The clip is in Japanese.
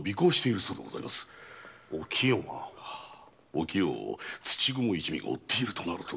お清を土蜘蛛一味が追っているとなると。